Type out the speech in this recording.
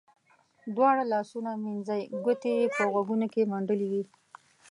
دواړو لاسو منځنۍ ګوتې یې په غوږونو کې منډلې وې.